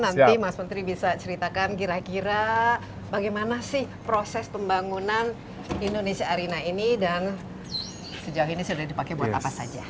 jadi mas menteri bisa ceritakan kira kira bagaimana sih proses pembangunan indonesia arena ini dan sejauh ini sudah dipakai buat apa saja